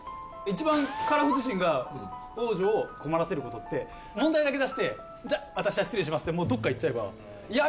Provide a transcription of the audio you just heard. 一番カラフ自身が王女を困らせる事って問題だけ出して「じゃあ私は失礼します」ってもうどこか行っちゃえば「やべえ！